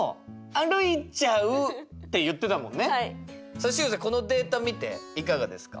さあしゅうせいこのデータ見ていかがですか？